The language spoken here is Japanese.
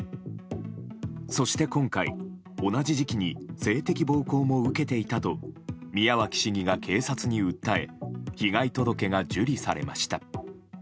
そして今回、同じ時期に性的暴行も受けていたと宮脇市議が警察に訴え被害届が受理されました。